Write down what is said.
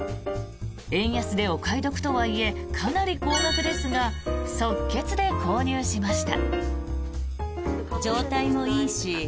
円安でお買い得とはいえかなり高額ですが即決で購入しました。